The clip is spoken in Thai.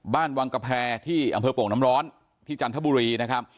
วังกระแพรที่อำเภอโป่งน้ำร้อนที่จันทบุรีนะครับ